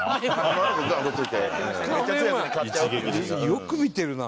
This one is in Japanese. よく見てるな。